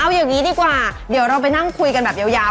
เอาอย่างนี้ดีกว่าเดี๋ยวเราไปนั่งคุยกันแบบยาว